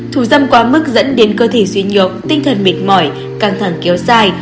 thủ dâm quá mức dẫn đến cơ thể suy nhược tinh thần mệt mỏi căng thẳng kéo dài